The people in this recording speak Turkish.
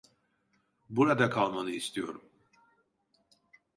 Burada kalmanı istiyorum.